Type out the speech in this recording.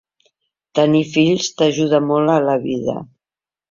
Tenir fills t'ajuda molt a la vida.